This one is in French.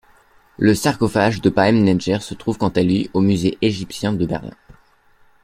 Le sarcophage de Pahemnetjer se trouve quant à lui au musée égyptien de Berlin.